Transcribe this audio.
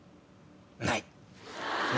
ない！